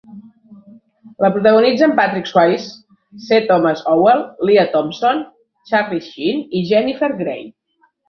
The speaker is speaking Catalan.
La protagonitzen Patrick Swayze, C. Thomas Howell, Lea Thompson, Charlie Sheen i Jennifer Grey.